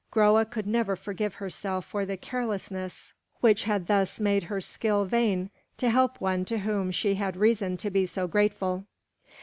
Groa could never forgive herself for the carelessness which had thus made her skill vain to help one to whom she had reason to be so grateful.